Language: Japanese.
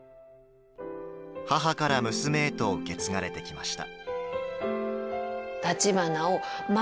母から娘へと受け継がれてきました。